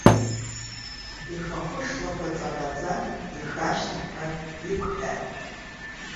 Ихахәы шлақәа ҵаӷаӡа ихы ашьҭахьҟа иқәҳәан.